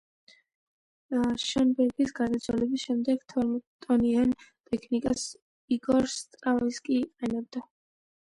შონბერგის გარდაცვალების შემდეგ თორმეტტონიან ტექნიკას იგორ სტრავინსკი იყენებდა.